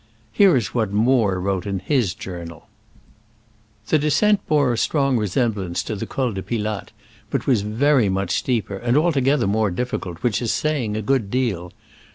Here is what Moore wrote in kis Journal : [The descent bore a strong resem blance to the Col de Pilatte, but was very much steeper and altogether more difficult, which is saying a good deal.